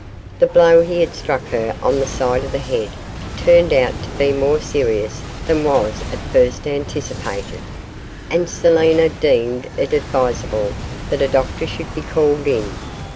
The blow he had struck her on the side of the head turned out to be more serious than was at first anticipated, and Selina deemed it advisable that a doctor should be called in.